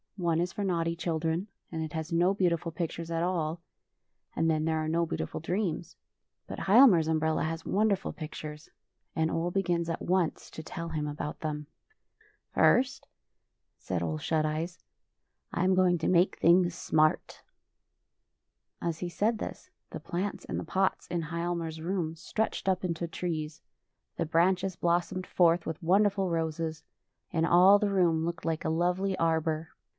One is for naughty children, and it has no beautiful pictures at all, and then there are no beautiful dreams. But Hial mar's umbrella has wonderful pictures, and Ole begins at once to tell him about .them. " First," said Ole Shut Eyes, '' I am going to make things smart." As he said thisj the plants in the pots in Hialmar's room stretched up into trees: the branches blos somed forth with wonderful roses, and all the room looked like a lovely arbor.